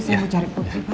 saya mau cari putri pak